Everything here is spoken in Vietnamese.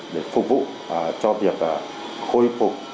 để phục vụ cho việc khôi phục